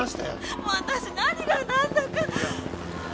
もう私何がなんだか。